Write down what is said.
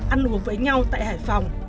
ăn uống với nhau tại hải phòng